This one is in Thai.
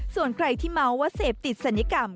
ส่วนใครที่เมาส์ว่าเสพติดศัลยกรรม